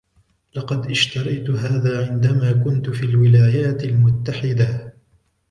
لقد اشتريت هذا عندما كنت في الولايات المتحدة.